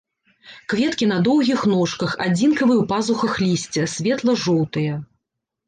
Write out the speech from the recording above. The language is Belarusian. Кветкі на доўгіх ножках, адзінкавыя ў пазухах лісця, светла-жоўтыя.